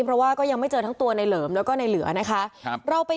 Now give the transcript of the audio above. เพราะว่าก็ยังไม่เจอทั้งตัวในเหลิมแล้วก็ในเหลือนะคะ